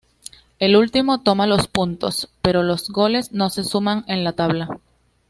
El último toma los puntos, pero los goles no se suman en la tabla.